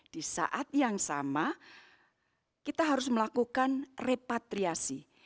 di saat yang sama kita harus melakukan repatriasi